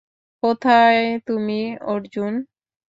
কোথায় তুমি, অর্জুন?